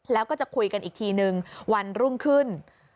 แล้วก็จะคุยกันอีกทีนึงวันรุ่งขึ้น